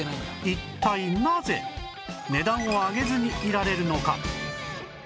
一体なぜ値段を上げずにいられるのか？